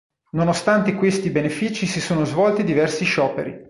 Nonostante questi benefici si sono svolti diversi scioperi.